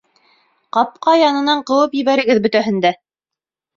Ҡапҡа янынан ҡыуып ебәрегеҙ бөтәһен дә!